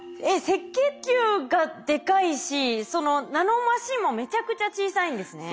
赤血球がでかいしそのナノマシンもめちゃくちゃ小さいんですね。